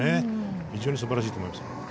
非常に素晴らしいと思います。